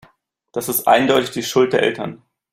Das ist eindeutig die Schuld der Eltern.